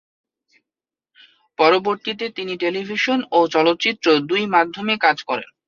পরবর্তীতে তিনি টেলিভিশন ও চলচ্চিত্র দুই মাধ্যমেই কাজ করেন।